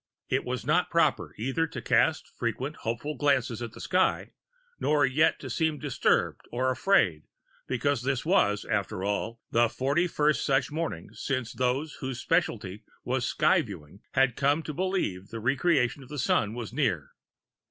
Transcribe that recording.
It was not proper either to cast frequent hopeful glances at the sky, nor yet to seem disturbed or afraid because this was, after all, the forty first such morning since those whose specialty was Sky Viewing had come to believe the Re creation of the Sun was near.